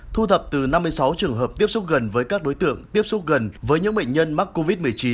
thu thập từ năm mươi sáu trường hợp tiếp xúc gần với các đối tượng tiếp xúc gần với những bệnh nhân mắc covid một mươi chín